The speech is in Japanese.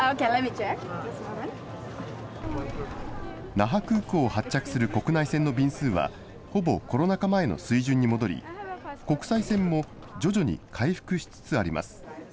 那覇空港を発着する国内線の便数は、ほぼコロナ禍前の水準に戻り、国際線も徐々に回復しつつあります。